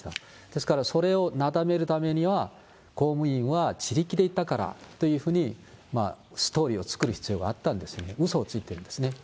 ですからそれをなだめるためには、公務員は自力で行ったからというふうに、ストーリーを作る必要があったんですね、うそをついてるんですね。